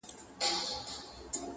لا هم ژوندی پاته کيږي-